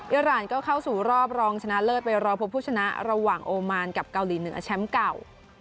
รานก็เข้าสู่รอบรองชนะเลิศไปรอพบผู้ชนะระหว่างโอมานกับเกาหลีเหนือแชมป์เก่า